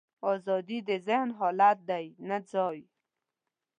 ازادي د ذهن حالت دی، نه ځای.